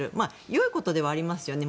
よいことではありますよね。